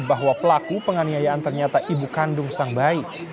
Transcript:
bahwa pelaku penganiayaan ternyata ibu kandung sang bayi